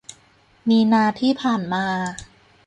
มีนาที่ผ่านมา